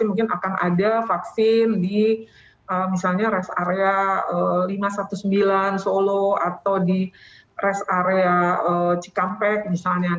jadi mungkin akan ada vaksin di misalnya rest area lima ratus sembilan belas solo atau di rest area cikampek misalnya